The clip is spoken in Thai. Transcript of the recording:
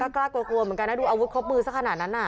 กล้ากลัวกลัวเหมือนกันนะดูอาวุธครบมือสักขนาดนั้นน่ะ